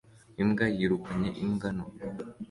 Imbwa yirukanye imbwa nto